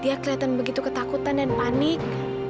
dia kelihatan begitu ketakutan dan panik